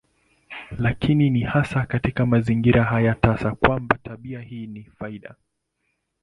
Lakini ni hasa katika mazingira haya tasa kwamba tabia hii ni faida.